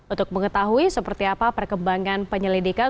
untuk mengetahui seperti apa perkembangan penyelidikan